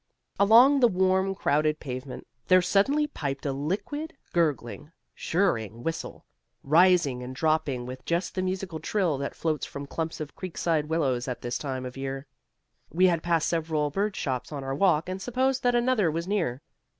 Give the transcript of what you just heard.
Along the warm crowded pavement there suddenly piped a liquid, gurgling, chirring whistle, rising and dropping with just the musical trill that floats from clumps of creekside willows at this time of year. We had passed several birdshops on our walk, and supposed that another was near.